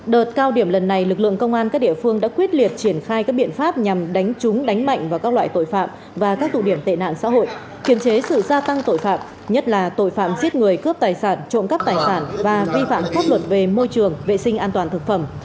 đợt cao điểm lần này lực lượng công an các địa phương đã quyết liệt triển khai các biện pháp nhằm đánh trúng đánh mạnh vào các loại tội phạm và các tụ điểm tệ nạn xã hội kiềm chế sự gia tăng tội phạm nhất là tội phạm giết người cướp tài sản trộm cắp tài sản và vi phạm pháp luật về môi trường vệ sinh an toàn thực phẩm